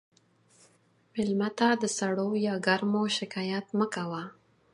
مېلمه ته د سړو یا ګرمو شکایت مه کوه.